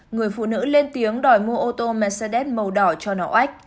người phụ nữ lên tiếng đòi mua ô tô mercedes màu đỏ cho nó oách